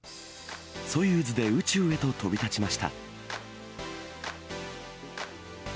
ソユーズで宇宙へと飛び立ちました。